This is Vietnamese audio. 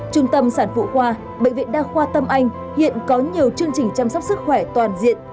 trung tâm sản phụ khoa bệnh viện đa khoa tâm anh hiện có nhiều chương trình chăm sóc sức khỏe toàn diện